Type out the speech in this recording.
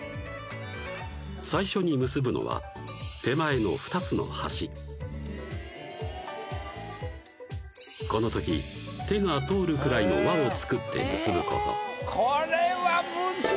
最初に結ぶのは手前の２つの端このとき手が通るくらいの輪を作って結ぶことこれはむずない？